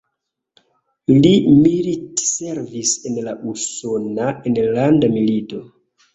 Li militservis en la Usona Enlanda Milito.